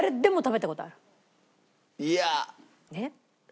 いや。えっ？